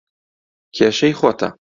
کێشەی خۆتە.